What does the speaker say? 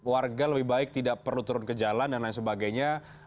warga lebih baik tidak perlu turun ke jalan dan lain sebagainya